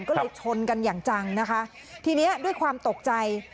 ก็เลยชนกันอย่างจังนะคะทีนี้ด้วยความตกใจ